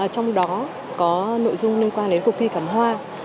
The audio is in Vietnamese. trong đó có nội dung liên quan đến cuộc thi cắm hoa